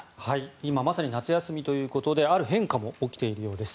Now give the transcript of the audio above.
今、まさに夏休みということである変化も起きているようです。